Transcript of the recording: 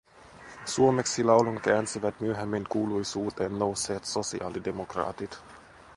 Suomeksi laulun käänsivät myöhemmin kuuluisuuteen nousseet sosiaalidemokraatit